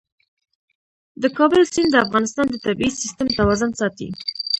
د کابل سیند د افغانستان د طبعي سیسټم توازن ساتي.